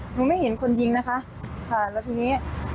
หนูไม่เห็นคนยิงนะคะแล้วทในนี้